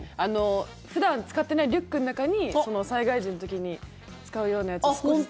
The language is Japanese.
普段使ってないリュックの中に災害時の時に使うようなやつを少しずつ。